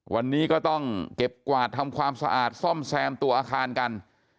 วันนี้ก็ต้องเก็บกวาดทำความสะอาดซ่อมแซมตัวอาคารกัน